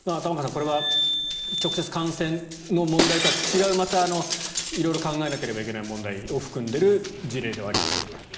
これは直接、感染の問題とは違う色々考えなければいけない問題を含んでいる事例ではありますが。